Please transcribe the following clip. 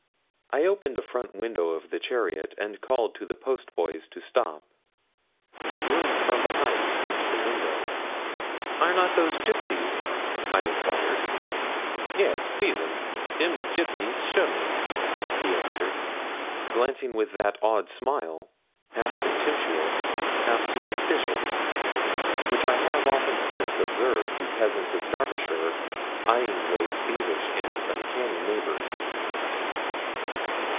I opened a front window of the chariot, and called to the postboys to stop. The groom from behind came to the window. 'Are not those gipsies?' I enquired. 'Yes, please'm, them's gipsies, sure, Miss,' he answered, glancing with that odd smile, half contemptuous, half superstitious, with which I have since often observed the peasants of Derbyshire eyeing those thievish and uncanny neighbours.